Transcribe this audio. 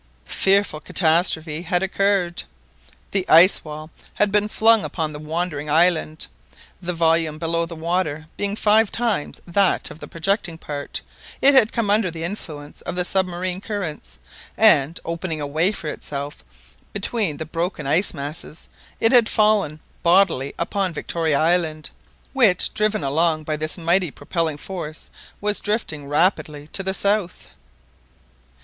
Fearful catastrophe had occurred. The ice wall had been flung upon the wandering island, the volume below the water being five times that of the projecting part, it had come under the influence of the submarine currents, and, opening a way for itself between the broken ice masses, it had fallen bodily upon Victoria Island, which, driven along by this mighty propelling force, was drifting rapidly to the south.